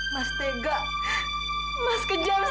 mas tega mas kejar sama saya